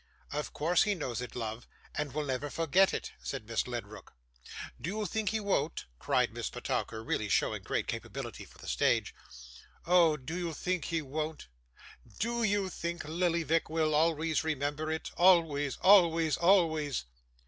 'Of course he knows it, love, and will never forget it,' said Miss Ledrook. 'Do you think he won't?' cried Miss Petowker, really showing great capability for the stage. 'Oh, do you think he won't? Do you think Lillyvick will always remember it always, always, always?